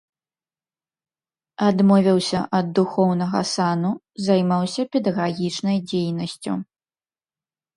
Адмовіўся ад духоўнага сану, займаўся педагагічнай дзейнасцю.